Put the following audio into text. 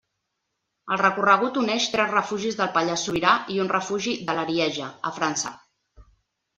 El recorregut uneix tres refugis del Pallars Sobirà i un refugi de l'Arieja, a França.